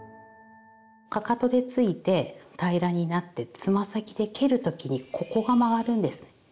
かかとでついて平らになってつま先で蹴る時にここが曲がるんです。